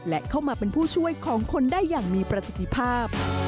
และเข้ามาเป็นผู้ช่วยของคนได้อย่างมีประสิทธิภาพ